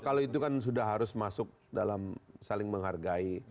kalau itu kan sudah harus masuk dalam saling menghargai